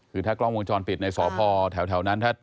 คือถ้ากล้องวงจรปิดในสพแถวนั้น